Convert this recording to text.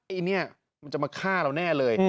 ไอ้เนี่ยมันจะมาฆ่าเราแน่เลย